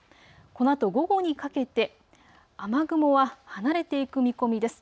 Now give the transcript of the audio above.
このあと午後にかけて、雨雲は離れていく見込みです。